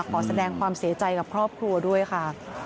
ขอแสดงความเสียใจกับครอบครัวด้วยค่ะ